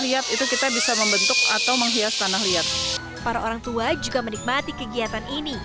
lihat itu kita bisa membentuk atau menghias tanah liat para orang tua juga menikmati kegiatan ini